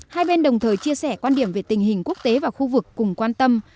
hai bên đồng thời chia sẻ quan điểm về tình hình quốc tế và khu vực cùng quan tâm